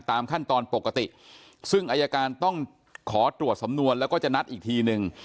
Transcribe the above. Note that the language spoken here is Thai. ตามขั้นตอนปกติซึ่งอายการต้องขอตรวจสำนวนแล้วก็จะนัดอีกทีนึง